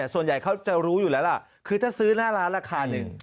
ส่วนใหญ่เขาจะรู้อยู่แล้วล่ะคือถ้าซื้อหน้าร้านราคาหนึ่ง